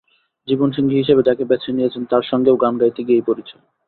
জীবনসঙ্গী হিসেবে যাকে বেছে নিয়েছেন, তাঁর সঙ্গেও গান গাইতে গিয়েই পরিচয়।